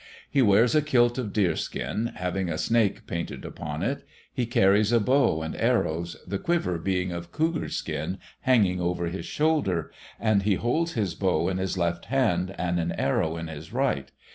He wears a kilt of deerskin, having a snake painted upon it. He carries a bow and arrows, the quiver being of cougar skin, hanging over his shoulder, and he holds his bow in his left hand and an arrow in his right.